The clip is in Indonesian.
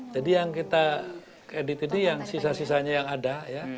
jadi yang kita edit edit yang sisa sisanya yang ada ya